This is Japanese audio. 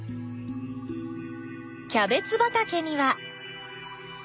キャベツ畑には。